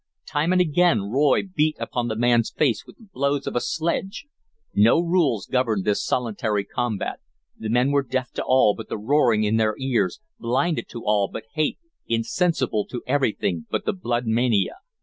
Time and again Roy beat upon the man's face with the blows of a sledge. No rules governed this solitary combat; the men were deaf to all but the roaring in their ears, blinded to all but hate, insensible to everything but the blood mania.